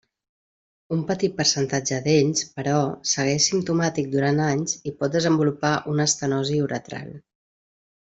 Un petit percentatge d'ells, però, segueix simptomàtic durant anys i pot desenvolupar una estenosi uretral.